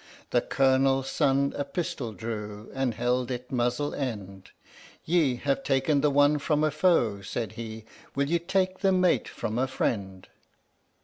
The Colonel's son a pistol drew and held it muzzle end, "Ye have taken the one from a foe," said he; "will ye take the mate from a friend?"